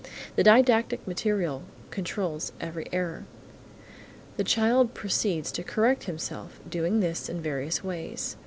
The didactic material controls every error. The child proceeds to correct himself, doing this in various ways.